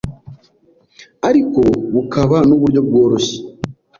ariko bukaba n’uburyo bworoshye